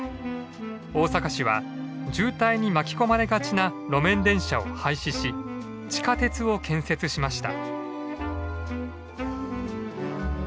大阪市は渋滞に巻き込まれがちな路面電車を廃止し地下鉄を建設しました。